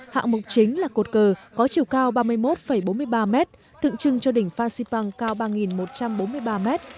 hạng mục chính là cột cờ có chiều cao ba mươi một bốn mươi ba m tượng trưng cho đỉnh phan xipang cao ba một trăm bốn mươi ba m